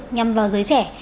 nhằm vào giới trẻ